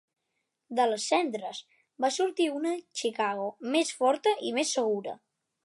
De les cendres va sortir una Chicago més forta i més segura.